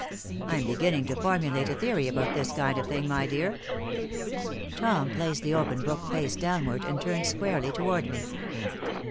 I'm beginning to formulate a theory about this kind of thing, my dear." Tom placed the open book face downward, and turned squarely toward me.